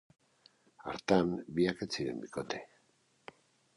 Hartan biak ez ziren bikote.